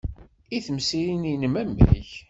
I temsirin-nnem, amek?